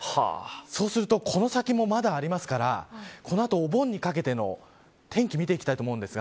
そうするとこの先もまだありますからこの後、お盆にかけての天気を見ていきたいと思います。